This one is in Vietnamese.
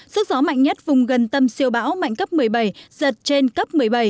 sức gió mạnh nhất vùng gần tâm siêu bão mạnh cấp một mươi bảy giật trên cấp một mươi bảy